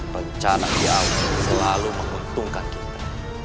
rencana diawi selalu membentungkan kita